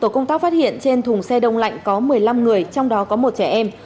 công tác phát hiện trên thùng xe đông lạnh có một mươi năm người trong đó có một trẻ em